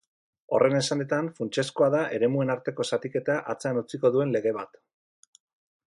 Horren esanetan, funtsezkoa da eremuen arteko zatiketa atzean utziko duen lege bat.